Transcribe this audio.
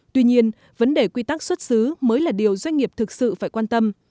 tuy nhiên vấn đề quy tắc xuất xứ mới là điều doanh nghiệp thực sự phải quan tâm